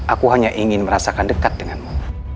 aku hanya ingin merasakan dekat denganmu